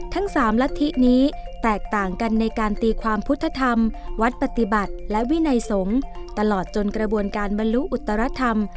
ทั้ง๓ลัทธินี้แตกต่างกันในการตีความพุทธธรรมวัดปฏิบัติและวินัยสงฆ์ตลอดจนกระบวนการบรรลุอุตรธรรม